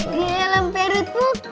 di dalam perutmu